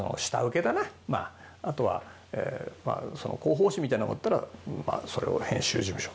あとは広報誌みたいなのがあったらそれを編集事務所。